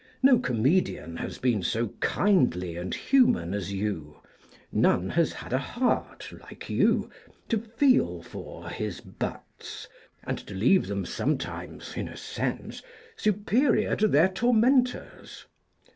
No comedian has been so kindly and human as you; none has had a heart, like you, to feel for his butts, and to leave them sometimes, in a sense, superior to their tormentors.